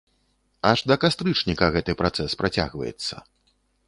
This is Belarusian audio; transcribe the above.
Аж да кастрычніка гэты працэс працягваецца.